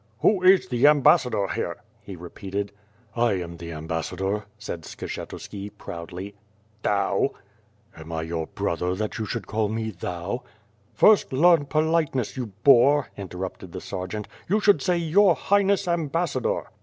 "Who is the ambassador here?" he repeated. "I am the ambassador/' said Skshetuski, proudly. "Thou?' ' "Am T your brother that you should call me 'thou ?'" "First, learn politeness, you boor," interrupted the ser geant. "You should say, Your Highness, Ambassador!"